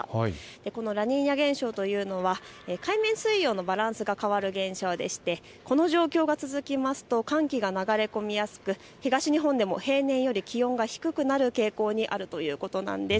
このラニーニャ現象というのは海面水温のバランスが変わる現象でしてこの状況が続きますと寒気が流れ込みやすく東日本でも平年より気温が低くなる傾向にあるということなんです。